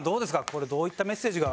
これどういったメッセージが？